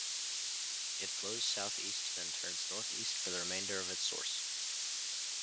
It flows southeast, then turns northeast for the remainder of its source.